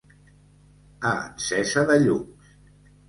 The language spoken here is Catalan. A encesa de llums.